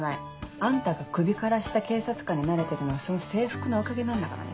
あんたが首から下警察官になれてるのはその制服のおかげなんだからね。